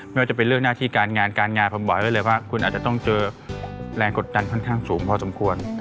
ไม่ว่าจะเป็นเรื่องหน้าที่การงานการงานผมบอกไว้เลยว่าคุณอาจจะต้องเจอแรงกดดันค่อนข้างสูงพอสมควร